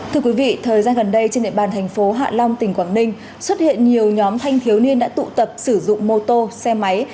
thưa quý vị thời gian gần đây trên địa bàn thành phố hạ long tỉnh quảng ninh xuất hiện nhiều nhóm thanh thiếu niên đã tụ tập sử dụng mô tô xe máy